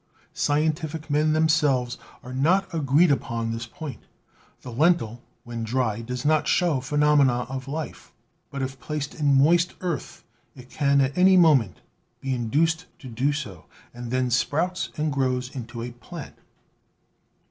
Scientific men themselves are not agreed upon this point. The lentil, when dry, does not show phenomena of life, but, if placed in moist earth, it can at any moment be induced to do so. It then sprouts and grows into a plant.